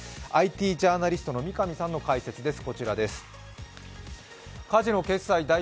ＩＴジャーナリストの見上さんの解説です。